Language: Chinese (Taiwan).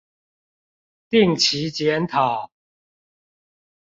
定期檢討